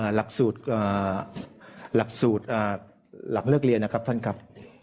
หลักสูตรหลักเลือกเรียนนะครับท่านครับ